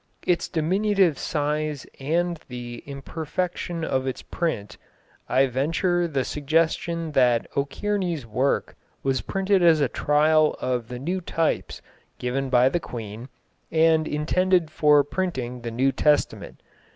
its diminutive size and the imperfection of its print, I venture the suggestion that O'Kearney's work was printed as a trial of the new types given by the Queen and intended for printing the New Testament.